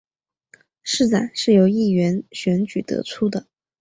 市长是由议员选举得出的。